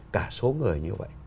cả số người như vậy